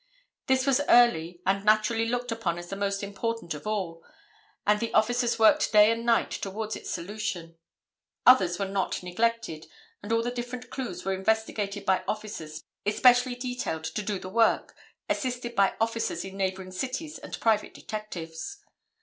This was early, and naturally looked upon as the most important of all, and the officers worked day and night towards its solution. Others were not neglected, and all the different clues were investigated by officers especially detailed to do the work assisted by officers in neighboring cities and private detectives.